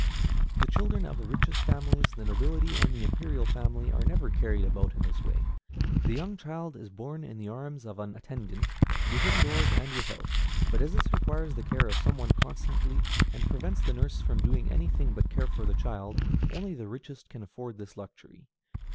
The children of the richest families, the nobility, and the imperial family, are never carried about in this way. The young child is borne in the arms of an attendant, within doors and without; but as this requires the care of some one constantly, and prevents the nurse from doing anything but care for the child, only the richest can afford this luxury.